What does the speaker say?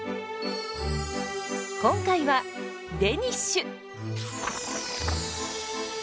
今回はデニッシュ！